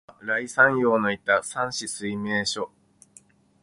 ここは、頼山陽のいた山紫水明処、